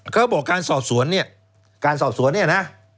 เขาบอกการสอบสวนเนี่ยการสอบสวนเนี่ยนะ